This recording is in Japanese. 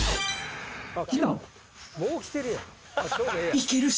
もう着てるやん。